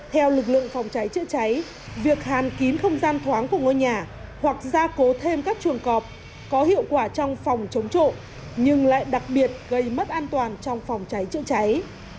theo lực lượng phòng cháy chữa cháy việc hàn kín không gian thoáng của ngôi nhà hoặc gia cố thêm các chuồng cọp có hiệu quả trong phòng chống trộm nhưng lại đặc biệt gây mất an toàn trong phòng cháy chữa cháy